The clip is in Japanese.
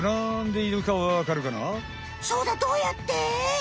そうだどうやって？